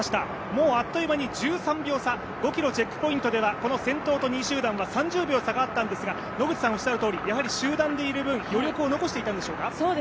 もうあっという間に１３秒差、５ｋｍチェックポイントではこの先頭と２位集団は、差があったんですが集団でいる分、余力を残していたんでしょうか？